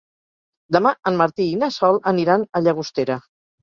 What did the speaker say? Demà en Martí i na Sol aniran a Llagostera.